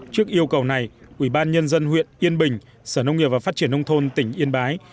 trước yêu cầu này ủy ban nhân dân huyện yên bình sở nông nghiệp và phát triển nông thôn tỉnh yên bái